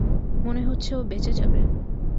মনে হচ্ছে ও বেঁচে যাবে।